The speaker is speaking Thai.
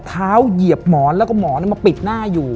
เหยียบหมอนแล้วก็หมอนมาปิดหน้าอยู่